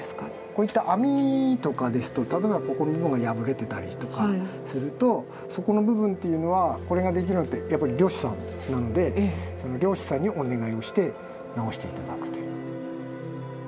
こういった網とかですと例えばここの部分が破れてたりとかするとそこの部分というのはこれができるのってやっぱり漁師さんなので漁師さんにお願いをして直して頂くと。